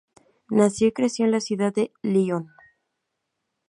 Nació y creció en la ciudad de Lyon.